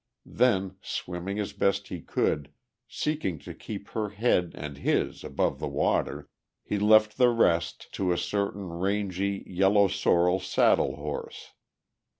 Then, swimming as best he could, seeking to keep her head and his above the water, he left the rest to a certain rangy, yellow sorrel saddle horse.